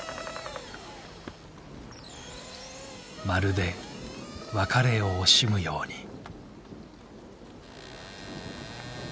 まるで別れを惜しむように。